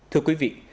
thưa quý vị